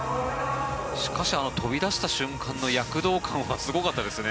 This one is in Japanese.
しかし飛び出した瞬間の躍動感はすごかったですね。